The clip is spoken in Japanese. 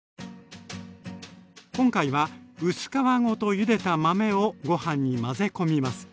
今回は薄皮ごとゆでた豆をご飯に混ぜ込みます。